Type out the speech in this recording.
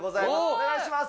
お願いします。